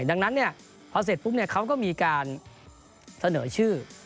ดังนั้นพอเสร็จปุ๊บเขาก็มีการเสนอชื่อ